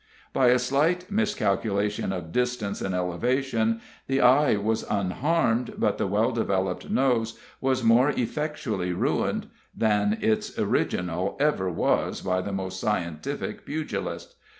By a slight miscalculation of distance and elevation, the eye was unharmed, but the well developed nose was more effectually ruined than its original ever was by the most scientific pugilist.